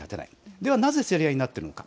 ではなぜ競り合いになっているのか。